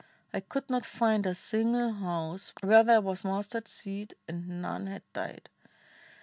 I could not find a single house Where there was mustard seed and none had died